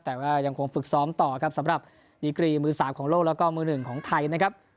แต่ว่ายังคงฝึกซ้อมต่อครับสำหรับดีกรีมือ๓ของโลกแล้วก็มือหนึ่งของไทยนะครับ